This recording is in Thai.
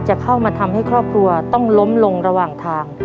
จะเข้ามาทำให้ครอบครัวต้องล้มลงระหว่างทาง